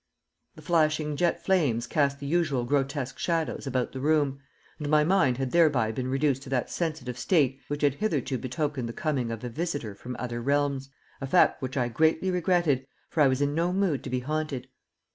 The flashing jet flames cast the usual grotesque shadows about the room, and my mind had thereby been reduced to that sensitive state which had hitherto betokened the coming of a visitor from other realms a fact which I greatly regretted, for I was in no mood to be haunted.